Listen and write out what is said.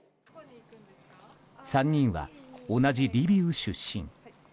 ３人は同じリビウ出身。